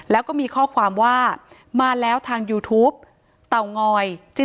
ถ้าใครอยากรู้ว่าลุงพลมีโปรแกรมทำอะไรที่ไหนยังไง